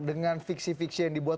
dengan fiksi fiksi yang dibuat